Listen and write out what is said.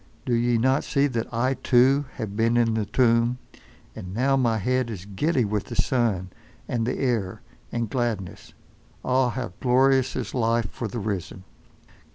Do ye not see that I, too, have been in the tomb, and now my head is giddy with the sun, and the air, and gladness. Ah! how glorious is life for the risen!